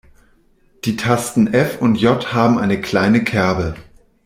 Die Tasten F und J haben eine kleine Kerbe.